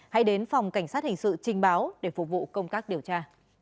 hay đến phòng cảnh sát hình sự trình báo để phục vụ công các điều tra